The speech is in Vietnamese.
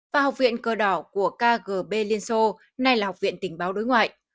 và học viện cờ đỏ của kgb liên xô nay là học viện tình báo đối ngoại